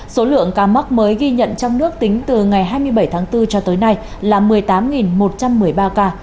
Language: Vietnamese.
số lượng ca mắc mới ghi nhận trong nước tính từ ngày hai mươi bảy tháng bốn cho tới nay là một mươi tám một trăm một mươi ba ca